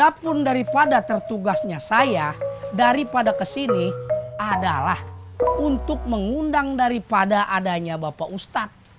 adapun daripada tertugasnya saya daripada ke sini adalah untuk mengundang daripada adanya bapak ustadz